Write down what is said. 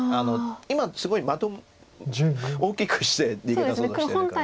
今すごい大きくして逃げ出そうとしてるから。